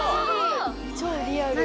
超リアル。